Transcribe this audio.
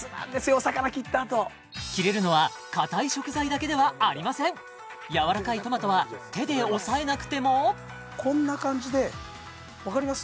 お魚切ったあと切れるのはかたい食材だけではありませんやわらかいトマトは手で押さえなくてもこんな感じで分かります？